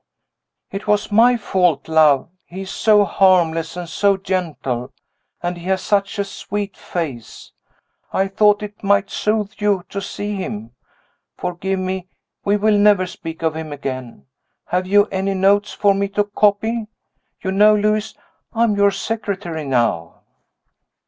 "It was my fault, love he is so harmless and so gentle, and he has such a sweet face I thought it might soothe you to see him. Forgive me; we will never speak of him again. Have you any notes for me to copy? You know, Lewis, I am your secretary now."